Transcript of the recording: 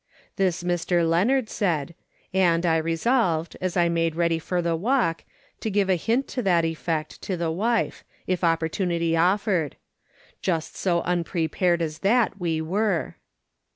This Mr. Leonard said, and I resolved, as I made ready for the walk, to give a hint to that effect to the wife, if opportunity offered. Just so unprepared as that were we.